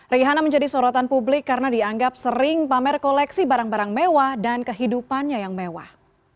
rihana menjadi sorotan publik karena dianggap sering pamer koleksi barang barang mewah dan kehidupannya yang mewah